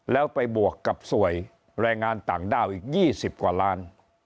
แล้วไปบวกกับสวยแรงงานต่างด้าวอีก๒๐กว่าล้าน